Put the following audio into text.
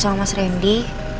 sama aku sama mas randy